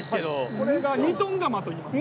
これが２トン釜といいます。